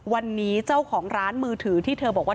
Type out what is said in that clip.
วันนี้เจ้าของร้านมือถือที่เธอบอกว่า